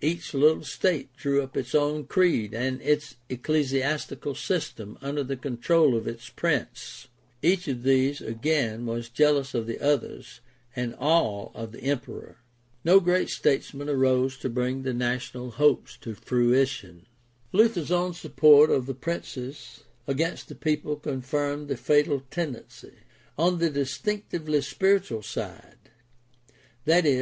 Each little state drew up its own creed and its ecclesiastical system under the control of its prince; each of these, again, was jealous of the others, and all of the emperor. No great statesman arose to bring the national hopes to fruition. THE PROTESTANT REFORMATION 371 Luther's own support of the princes against the people con firmed the fatal tendency. On the distinctively spiritual side — i.e.